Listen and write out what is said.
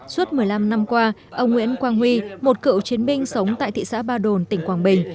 suốt một mươi năm năm qua ông nguyễn quang huy một cựu chiến binh sống tại thị xã ba đồn tỉnh quảng bình